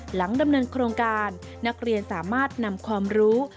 ดำเนินโครงการนักเรียนสามารถนำความรู้